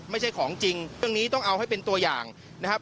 ไม่ใช่ของจริงเรื่องนี้ต้องเอาให้เป็นตัวอย่างนะครับ